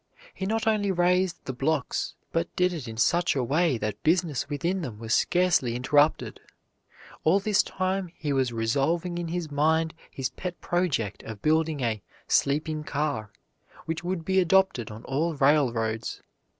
He not only raised the blocks, but did it in such a way that business within them was scarcely interrupted. All this time he was revolving in his mind his pet project of building a "sleeping car" which would be adopted on all railroads.